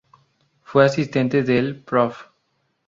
Fue Asistente del Prof.